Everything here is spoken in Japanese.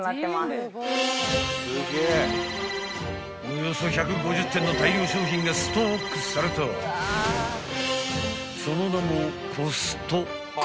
［およそ１５０点の大量商品がストックされたその名も］